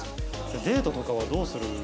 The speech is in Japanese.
デートとかはどうするの？